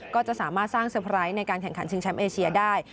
ก็จะสามารถสร้างเซอร์ไพรส์ในการแข่งขันชิงแชมป์เอเชียได้